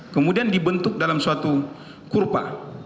kemudian dibentuk dalam suatu kurpa